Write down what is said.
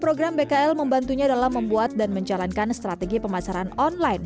program bkl membantunya dalam membuat dan menjalankan strategi pemasaran online